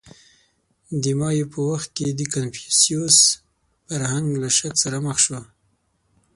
• د مایو په وخت کې د کنفوسیوس فرهنګ له شک سره مخ شو.